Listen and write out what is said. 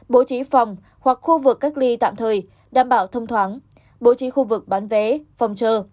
bố trí phòng hoặc khu vực cách ly tạm thời đảm bảo thông thoáng bố trí khu vực bán vé phòng chờ